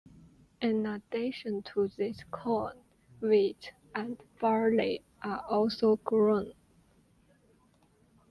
In addition to these, corn, wheat, and barley are also grown.